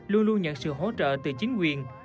luôn luôn nhận sự hỗ trợ từ chính quyền